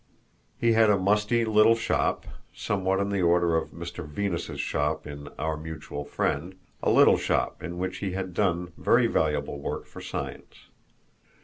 He had a musty little shop, somewhat on the order of Mr. Venus's shop in "Our Mutual Friend," a little shop in which he had done very valuable work for science.